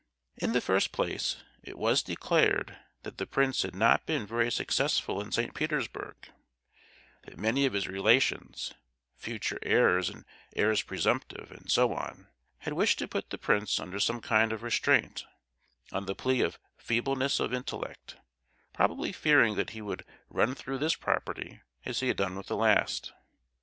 In the first place, it was declared that the prince had not been very successful in St. Petersburg; that many of his relations—future heirs and heirs presumptive, and so on, had wished to put the Prince under some kind of restraint, on the plea of "feebleness of intellect;" probably fearing that he would run through this property as he had done with the last!